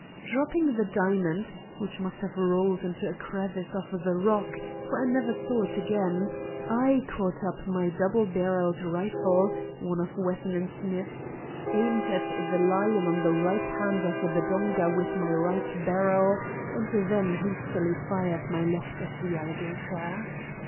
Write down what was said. Dropping the diamond (which must have rolled into a crevice of the rock, for I never saw it again), I caught up my double barrelled rifle (one of Wesson & Smith's), aimed at the lion on the right hand of the donga with my right barrel, and then hastily fired my left at the alligator.